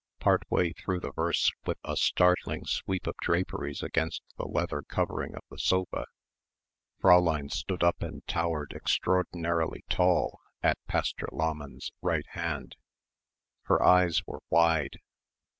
Part way through the verse with a startling sweep of draperies against the leather covering of the sofa, Fräulein stood up and towered extraordinarily tall at Pastor Lahmann's right hand. Her eyes were wide.